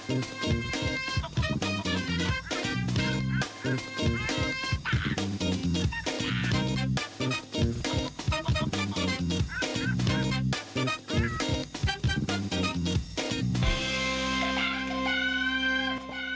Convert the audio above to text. อันตรัสโดยโดย